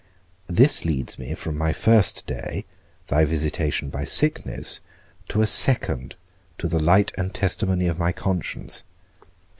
This leads me from my first day, thy visitation by sickness, to a second, to the light and testimony of my conscience.